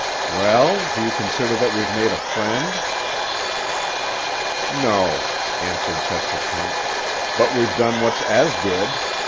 "Well, do you consider that we've made a friend?" "No," answered Chester Kent; "but we've done what's as good.